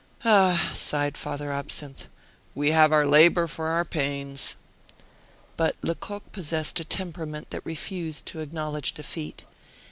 "Ah!" sighed Father Absinthe, "we have our labor for our pains." But Lecoq possessed a temperament that refused to acknowledge defeat.